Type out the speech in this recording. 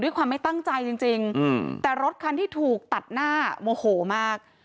ความไม่ตั้งใจจริงแต่รถคันที่ถูกตัดหน้าโมโหมาก